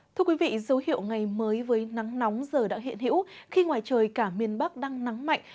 thưa quý vị dấu hiệu ngày mới với nắng nóng giờ đã hiện hữu khi ngoài trời cả miền bắc đang nắng mạnh